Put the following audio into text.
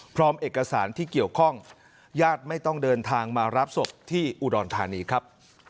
พร้อมเอกสารที่เกี่ยวข้องญาติไม่ต้องเดินทางมารับศพที่อุดรธานีครับ